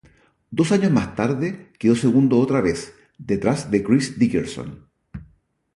Dos años más tarde quedó segundo otra vez detrás de Chris Dickerson.